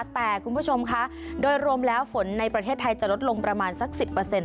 แต่คุณผู้ชมคะโดยรวมแล้วฝนในประเทศไทยจะลดลงประมาณสัก๑๐